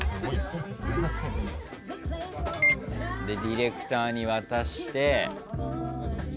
でディレクターに渡して。